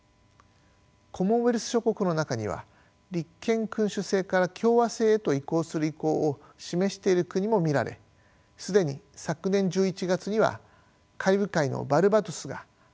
コモンウェルス諸国の中には立憲君主制から共和制へと移行する意向を示している国も見られ既に昨年１１月にはカリブ海のバルバドスが共和制に移行しました。